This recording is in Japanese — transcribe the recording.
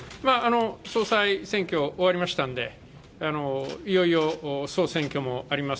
総裁選挙、終わりましたので、いよいよ総選挙もあります